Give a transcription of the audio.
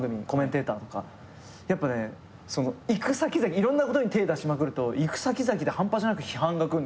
やっぱねいろんなことに手出しまくると行く先々で半端じゃなく批判が来んのよ。